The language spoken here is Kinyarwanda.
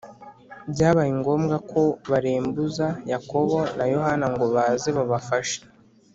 byabaye ngombwa ko barembuza yakobo na yohana ngo baze babafashe